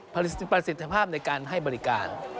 ผลิตประสิทธิภาพในการให้บริการ